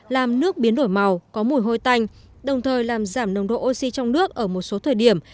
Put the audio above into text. làm nước biến đổi màu có mùi hôi tanh đồng thời làm giảm nồng độ oxy trong nước ở một số thời điểm